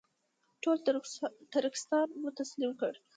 ټول ترکستان مو تسلیم کړ.